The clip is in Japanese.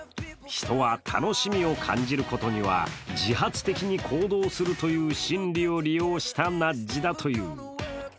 人は楽しみを感じることには自発的に行動するという心理を利用したナッジだという。